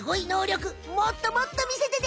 くもっともっとみせてね。